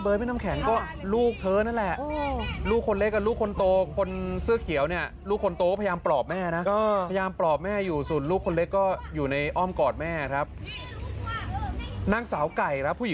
ผมไม่รู้ว่าจะต้องตายด้วย